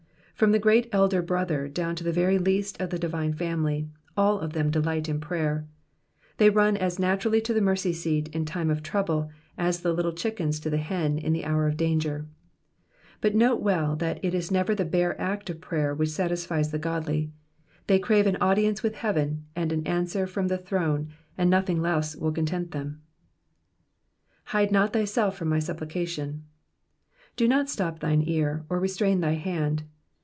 From the Great Elder Brother down to the very least of the divine family, all of them delight in prayer. They Digitized by VjOOQIC 16 EXPOSITIOKS OP THE PSALMS. run as naturally to the mercy seat in time of trouble as the little chickens to the hen in the hour of danger. But note well that it is never the bare act of prayer which satisfies the godly, they crave an audience with heaven, and an answer from the throne, and nothing less will content them. ^^Hide not thyself from my supplication.'^'' Do not stop thine ear, or restrain thy hand.